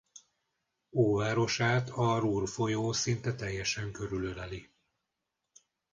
Óvárosát a Ruhr-folyó szinte teljesen körülöleli.